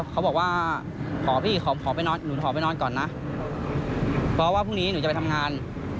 เขาบอกว่าขอไปนอนก่อนนะเพราะว่าพรุ่งนี้หนูจะไปทำงาน